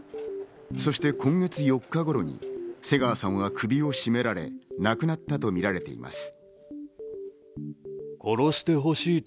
そして今月４日頃に瀬川さんは首を絞められ亡くなったとみられています。